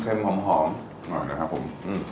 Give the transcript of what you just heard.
เค็มหล่อน้อยนะครับผม